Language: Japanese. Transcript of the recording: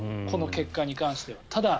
この結果に関しては。